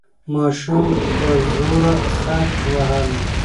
ماشوم په زوره خټ وهل.